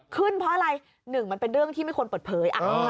ขึ้นเพราะอะไรหนึ่งมันเป็นเรื่องที่ไม่ควรเปิดเผย